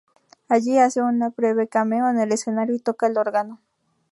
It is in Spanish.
Allí hace un breve cameo en el escenario y toca el órgano.